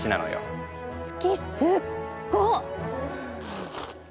月すっご！